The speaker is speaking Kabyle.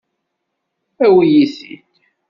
Awi-iyi-t-id.